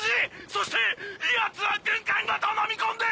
そしてやつは軍艦ごとのみ込んで。